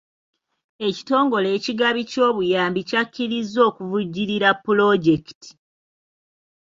Ekitongole ekigabi ky'obuyambi kyakkirizza okuvujjirira pulojekiti.